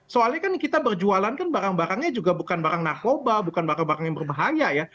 soalnya kan kita berjualan kan barang barangnya juga bukan barang narkoba bukan barang barang yang berbahaya ya